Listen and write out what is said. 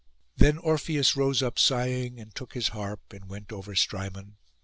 Then Orpheus rose up sighing, and took his harp, and went over Strymon.